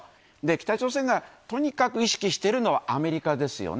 北朝鮮がとにかく意識しているのはアメリカですよね。